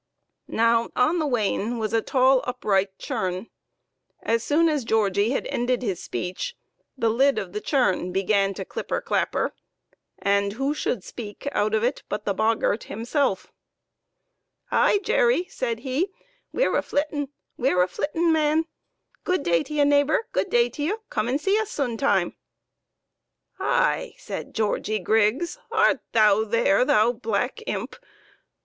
Now on the wain was a tall, upright churn ; as soon as Georgie had ended his speech, the lid of the churn began to clipper clapper, and who should speak out of it but the bog gart himself. " Ay, Jerry !" said he, " we're a flittin'? we're a flittin', man ! Good day to ye, neighbor, good day to ye ! Come and see us soon time !"" High !" cried Georgie Griggs, " art thou there, thou black imp ?